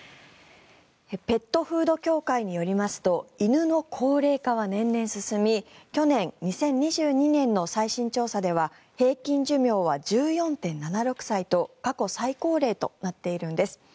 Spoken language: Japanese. ペットフード協会によりますと犬の高齢化は年々進み去年、２０２２年の最新調査では平均寿命は１４．７６歳と過去最高齢となっているんです。